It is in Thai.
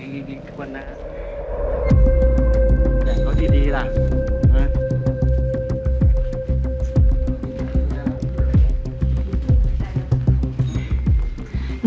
นี่นี่ที่บนนะครับเอาดีล่ะอื้อ